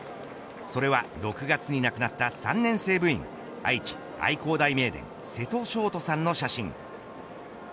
それは６月に亡くなった３年生部員愛知愛工大名電の瀬戸勝登さんの写真。